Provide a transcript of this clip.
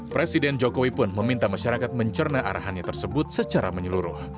presiden jokowi pun meminta masyarakat mencerna arahannya tersebut secara menyeluruh